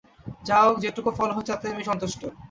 যা হোক, যেটুকু ফল হয়েছে, তাতেই আমি সন্তুষ্ট।